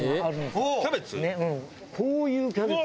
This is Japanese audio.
こういうキャベツ。